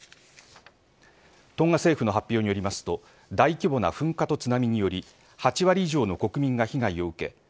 トンガ政府の発表によりますと大規模な噴火と津波により８割以上の国民が被害を受け